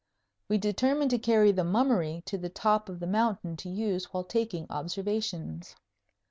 We determined to carry the "Mummery" to the top of the mountain to use while taking observations.